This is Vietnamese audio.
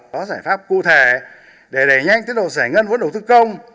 có giải pháp cụ thể để đẩy nhanh tiến độ giải ngân vốn đầu tư công